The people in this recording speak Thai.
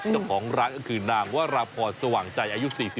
เจ้าของร้านก็คือนางวราพรสว่างใจอายุ๔๒